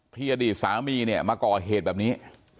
อดีตสามีเนี่ยมาก่อเหตุแบบนี้